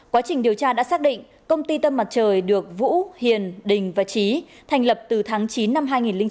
quá trình điều tra đã xác định công ty tâm mặt trời được vũ hiền đình và trí thành lập từ tháng chín năm hai nghìn chín